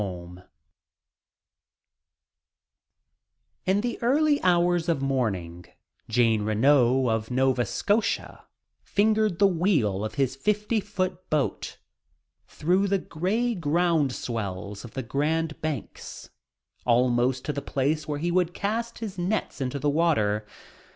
In the early hours of morning, Jean Renault of Nova Scotia fingered the wheel of his fifty foot boat through the grey ground swells of the Grand Banks, almost to the place where he would cast his nets into the water.